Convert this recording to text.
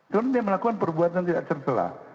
karena dia melakukan perbuatan tidak celak